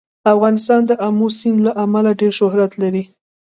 افغانستان د آمو سیند له امله ډېر شهرت لري.